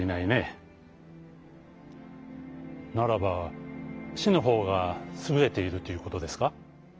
「ならば師のほうがすぐれているということですか？」。